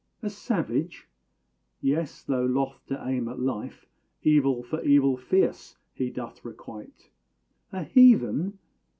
A savage? Yes; though loth to aim at life, Evil for evil fierce he doth requite. A heathen?